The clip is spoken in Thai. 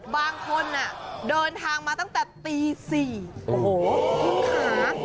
บางคนเดินทางมาตั้งแต่ตี๔คิวค่ะ